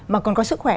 mà còn có sức khỏe